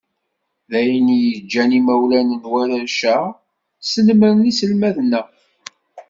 D ayen i yeǧǧan imawlan n warrac-a, snemmren iselmaden-a.